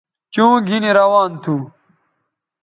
چوں گِھنی روان تھو